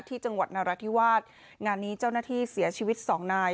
จังหวัดนราธิวาสงานนี้เจ้าหน้าที่เสียชีวิตสองนาย